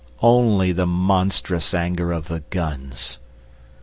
Only the monstrous anger of the guns.